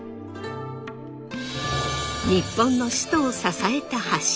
日本の首都を支えた橋。